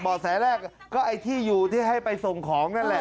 แสแรกก็ไอ้ที่อยู่ที่ให้ไปส่งของนั่นแหละ